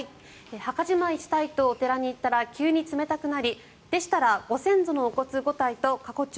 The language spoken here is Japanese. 墓じまいしたいとお寺に言ったら急に冷たくなりでしたらご先祖のお骨５体と過去帳